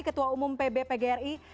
ketua umum pb pgri